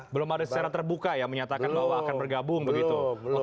belum ada secara terbuka ya menyatakan bahwa akan bergabung begitu